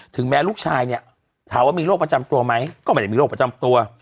แม้ลูกชายเนี่ยถามว่ามีโรคประจำตัวไหมก็ไม่ได้มีโรคประจำตัว